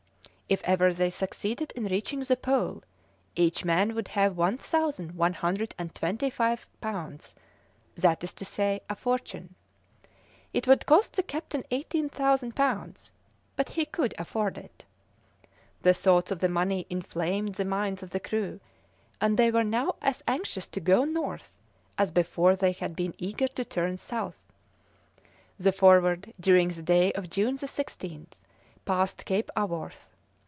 If ever they succeeded in reaching the Pole, each man would have 1,125 pounds that is to say, a fortune. It would cost the captain 18,000 pounds, but he could afford it. The thoughts of the money inflamed the minds of the crew, and they were now as anxious to go north as before they had been eager to turn south. The Forward during the day of June 16th passed Cape Aworth.